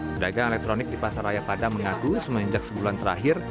pedagang elektronik di pasar raya padang mengaku semenjak sebulan terakhir